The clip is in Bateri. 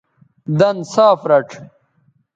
دَن صاف رَڇھ